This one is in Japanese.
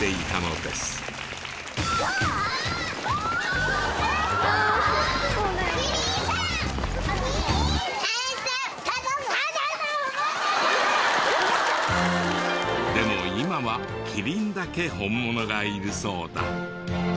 でも今はキリンだけ本物がいるそうだ。